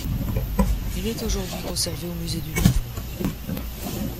Il est aujourd'hui conservé au Musée du Louvre.